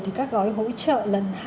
thì các gói hỗ trợ lần hai